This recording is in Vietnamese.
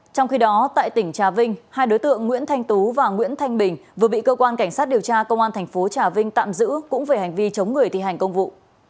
trong khi đó tại tỉnh trà vinh hai đối tượng nguyễn thanh tú và nguyễn thanh bình vừa bị cơ quan cảnh sát điều tra công an thành phố trà vinh tạm giữ cũng về hành vi chống người thi hành công vụ